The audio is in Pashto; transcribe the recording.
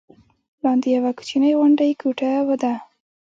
لاندې یوه کوچنۍ غوندې کوټه ده.